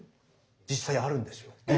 実際あるんですよ。